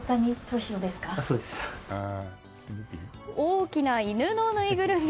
大きな犬のぬいぐるみ。